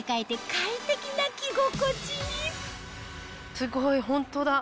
すごいホントだ。